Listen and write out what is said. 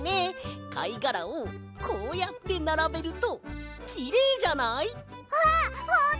かいがらをこうやってならべるときれいじゃない？あっほんとだ！